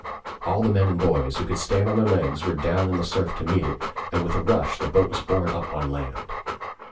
All the men and boys who could stand on their legs were down in the surf to meet it, and with a rush the boat was borne up on land.